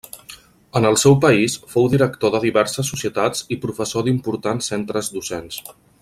En el seu país fou director de diverses societats i professor d'importants centres docents.